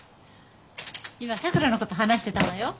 今さくらのこと話してたのよ。